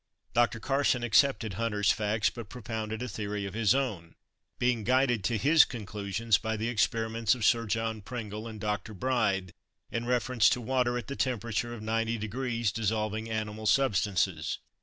Doctor Carson accepted Hunter's facts, but propounded a theory of his own, being guided to his conclusions by the experiments of Sir John Pringle and Dr. Bride, in reference to water at the temperature of 90 degrees dissolving animal substances.